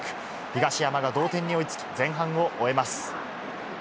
東山が同点に追いつき、前半を終えます。